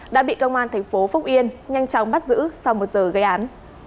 đã bị công an tp phúc yên nhanh chóng bắt giữ sau một giờ gây án